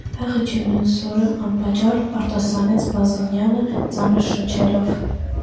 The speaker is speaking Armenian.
Վաղը չէ մյուս օրն անպատճառ,- արտասանեց Բազենյանը, ծանր շնչելով: